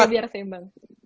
oke biar seimbang